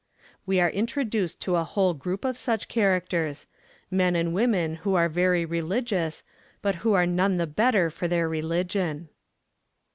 We are introduced to a whole group of such characters men and women who are very religious, but who are none the better for their religion.